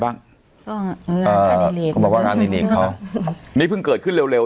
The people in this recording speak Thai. บ้างก็อ่าก็บอกว่าอันนี้เขานี้เพิ่งเกิดขึ้นเร็วเร็ว